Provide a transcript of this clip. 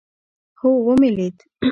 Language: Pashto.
هو ومې لېد.